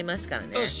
よし！